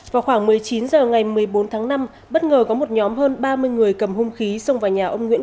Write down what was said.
vào khoảng một mươi chín h ngày một mươi bốn tháng năm bất ngờ có một nhóm hơn ba mươi người cầm hung khí xông vào nhà ông nguyễn